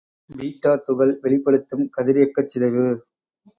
Beta துகள் வெளிப்படுத்தும் கதிரியக்கச் சிதைவு.